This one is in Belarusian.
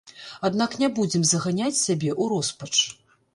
Аднак не будзем заганяць сябе ў роспач.